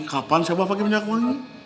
kapan coba pakai minyak wangi